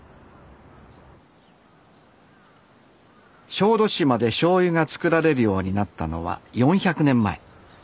小豆島でしょうゆが造られるようになったのは４００年前。